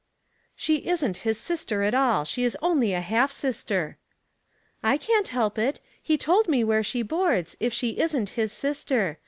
*'She isn't his sister at all. She is onlj a half sister." Light. 283 *'I can't help it. He told me where she boards, if she isn't his sister.